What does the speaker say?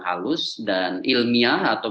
halus dan ilmiah atau